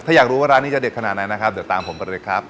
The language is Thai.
ถ้าอยากรู้ว่าร้านนี้จะเด็ดขนาดไหนนะครับเดี๋ยวตามผมไปเลยครับ